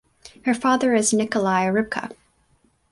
Her father is Nikolay Rybka.